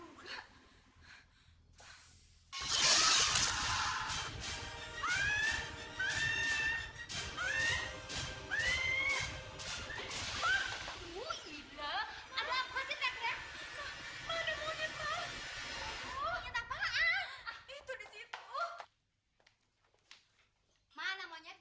mana monyetnya mana ada mah di belakang desa kamu yang lihat coba lihat ada monyet